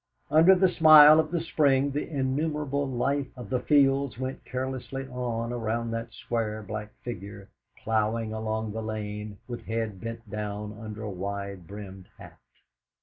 Under the smile of the spring the innumerable life of the fields went carelessly on around that square black figure ploughing along the lane with head bent down under a wide brimmed hat.